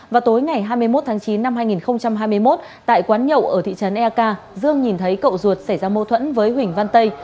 vào tối ngày hai mươi một tháng chín năm hai nghìn hai mươi một tại quán nhậu ở thị trấn eak dương nhìn thấy cậu ruột xảy ra mâu thuẫn với huỳnh văn tây